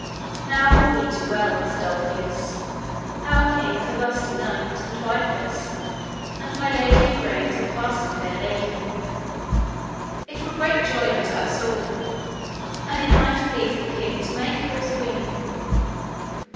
Now will we do well, said Ulfius, our king is a lusty knight and wifeless, and my lady Igraine is a passing fair lady; it were great joy unto us all, an it might please the king to make her his queen.